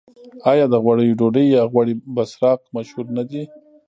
آیا د غوړیو ډوډۍ یا غوړي بسراق مشهور نه دي؟